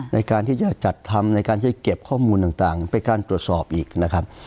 ในการที่จะจัดทำในการจะเก็บข้อมูลต่างไปการตรวจสอบอีกนะครับ